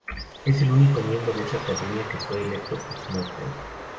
Es el único miembro de esa academia que fue electo "postmortem".